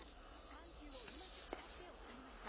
緩急をうまく使って抑えました。